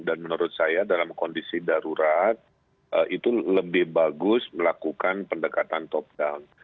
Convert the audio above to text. dan menurut saya dalam kondisi darurat itu lebih bagus melakukan pendekatan top down